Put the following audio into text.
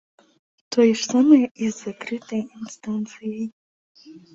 Тое ж самае і з закрытай інстанцыяй.